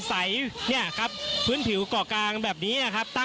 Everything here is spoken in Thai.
ผู้สื่อข่าวชนะทีวีจากฟิวเจอร์พาร์ครังสิตเลยนะคะ